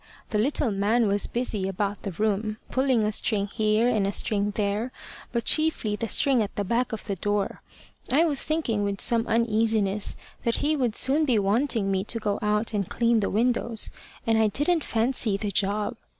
The little man was busy about the room, pulling a string here, and a string there, but chiefly the string at the back of the door. I was thinking with some uneasiness that he would soon be wanting me to go out and clean the windows, and I didn't fancy the job.